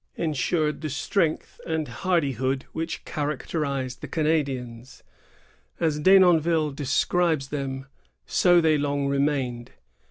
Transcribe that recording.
181 wasted, insured the strength and hardihood which characterized the Canadians. As Denonville describes them, so they long remained.